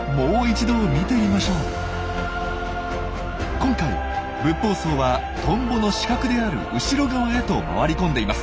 今回ブッポウソウはトンボの死角である後ろ側へと回り込んでいます。